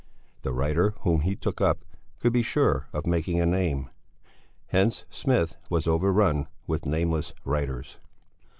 The writer whom he took up could be sure of making a name; hence Smith was overrun with nameless writers.